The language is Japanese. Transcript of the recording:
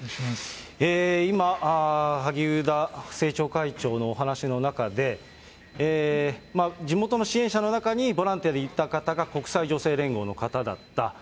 今、萩生田政調会長のお話の中で、地元の支援者の中にボランティアでいた方が、国際女性連合の方だった。